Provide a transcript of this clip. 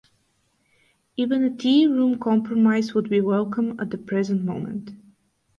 Even a tea-room compromise would be welcome at the present moment.